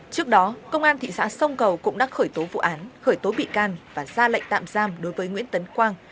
trước đó công an thị xã sông cầu cũng đã khởi tố vụ án khởi tố bị can và ra lệnh tạm giam đối với nguyễn tấn quang